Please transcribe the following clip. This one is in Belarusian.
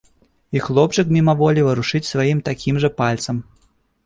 І хлопчык мімаволі варушыць сваім такім жа пальцам.